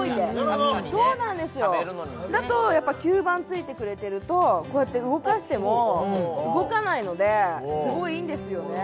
確かにね食べるのにもねだとやっぱり吸盤ついてくれてるとこうやって動かしても動かないのですごいいいんですよね